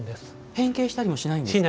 変形したりもしないんですか。